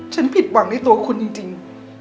ผิดหวังในตัวคุณจริง